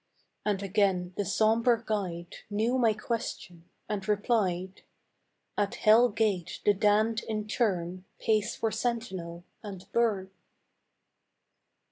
And again the sombre guide Knew my question, and replied: "At hell gate the damned in turn Pace for sentinel and burn."